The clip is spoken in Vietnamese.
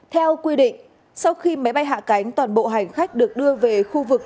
theo quy định sau khi máy bay hạ cánh toàn bộ hành khách được đưa về khu vực